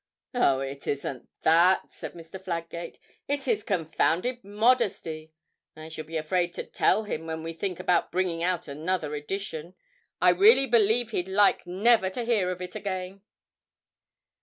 'Oh, it isn't that,' said Mr. Fladgate; 'it's his confounded modesty. I shall be afraid to tell him when we think about bringing out another edition. I really believe he'd like never to hear of it again!'